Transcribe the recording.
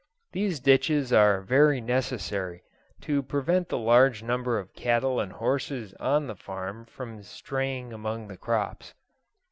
These ditches are very necessary, to prevent the large number of cattle and horses on the farm from straying among the crops.